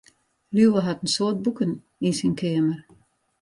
Liuwe hat in soad boeken yn syn keamer.